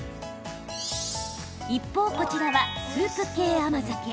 一方こちらはスープ系甘酒。